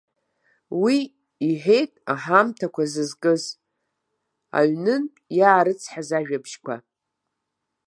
Уи иҳәеит аҳамҭақәа зызкыз, аҩнынтә иаарыцҳаз ажәабжьқәа.